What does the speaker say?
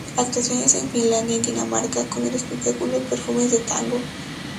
Actuaciones en Finlandia y Dinamarca con el espectáculo "Perfumes de Tango".